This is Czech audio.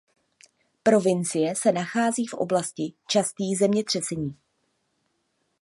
Provincie se nachází v oblasti častých zemětřesení.